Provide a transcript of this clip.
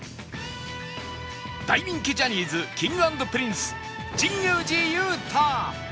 大人気ジャニーズ Ｋｉｎｇ＆Ｐｒｉｎｃｅ 神宮寺勇太